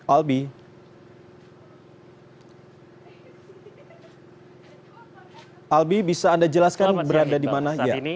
albi bisa anda jelaskan berada di mana saat ini